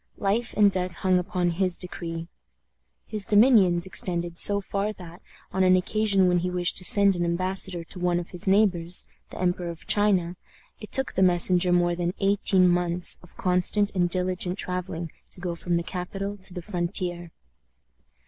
Life and death hung upon his decree. His dominions extended so far that, on an occasion when he wished to send an embassador to one of his neighbors the Emperor of China it took the messenger more than eighteen months of constant and diligent traveling to go from the capital to the frontier.